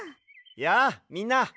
やあみんな！